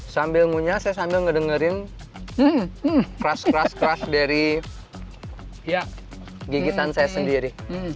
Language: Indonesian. sambil ngunyah saya sambil ngedengerin keras keras dari gigitan saya sendiri